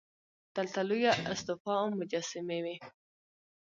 دلته لویه استوپا او مجسمې وې